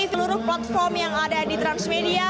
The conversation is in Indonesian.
seluruh platform yang ada di transmedia